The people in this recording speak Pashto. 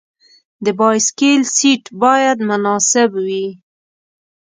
د بایسکل سیټ باید مناسب وي.